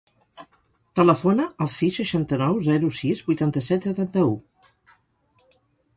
Telefona al sis, seixanta-nou, zero, sis, vuitanta-set, setanta-u.